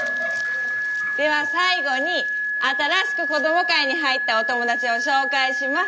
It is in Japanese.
では最後に新しく子供会に入ったお友達を紹介します。